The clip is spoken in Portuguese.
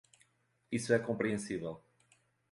Isso é compreensível.